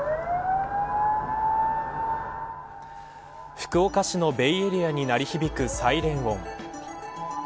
福岡市のベイエリアに鳴り響くサイレン音。